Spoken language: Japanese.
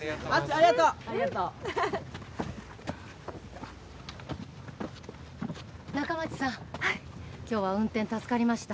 ありがとう仲町さんはい今日は運転助かりました